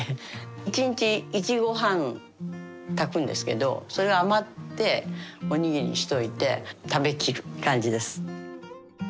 １日１合半炊くんですけどそれ余っておにぎりにしといて食べきる感じです。